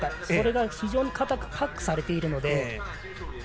それが非常にかたくパックされているので。